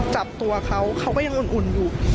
จับตัวเขาเขาก็ยังอุ่นอยู่